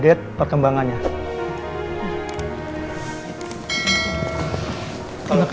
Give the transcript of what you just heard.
terima kasih banyak ya pak